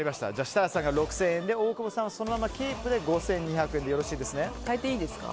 設楽さんが６０００円で大久保さんはそのままキープで５２００円で変えていいですか。